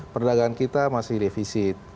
perdagangan kita masih divisi